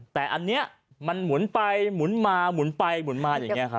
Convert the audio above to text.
แต่อันนี้มันหมุนไปหมุนมาหมุนไปหมุนมาอย่างนี้ครับ